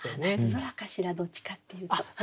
「夏空」かしらどっちかっていうと。